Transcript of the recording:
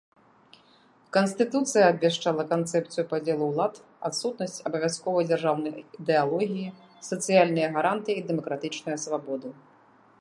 Канстытуцыя абвяшчала канцэпцыю падзелу ўлад, адсутнасць абавязковай дзяржаўнай ідэалогіі, сацыяльныя гарантыі і дэмакратычныя свабоды.